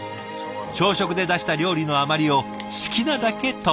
朝食で出した料理の余りを好きなだけトッピング。